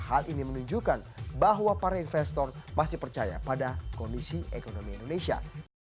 hal ini menunjukkan bahwa para investor masih percaya pada kondisi ekonomi indonesia